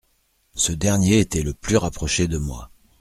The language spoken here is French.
Ce dernier était le plus rapproché de moi.